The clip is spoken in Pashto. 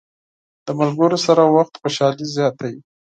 د ملګرو سره وخت خوشحالي زیاته وي.